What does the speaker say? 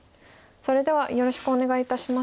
それではよろしくお願いいたします。